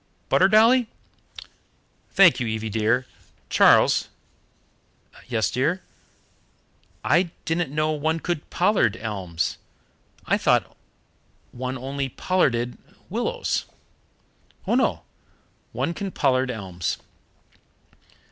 "Butter, Dolly?" "Thank you, Evie dear. Charles " "Yes, dear?" "I didn't know one could pollard elms. I thought one only pollarded willows." "Oh no, one can pollard elms."